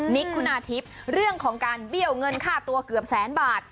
นิกคุณาทิพย์เรื่องของการเบี้ยวเงินค่าตัวเกือบแสนบาท